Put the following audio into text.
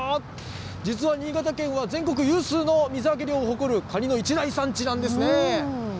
実は新潟県は全国有数の水揚げ量を誇るカニの一大産地なんですね。